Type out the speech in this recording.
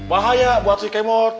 bahaya buat si kemot